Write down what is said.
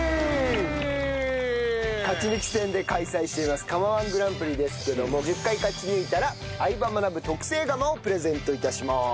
勝ち抜き戦で開催しています釜−１グランプリですけども１０回勝ち抜いたら『相葉マナブ』特製釜をプレゼント致します。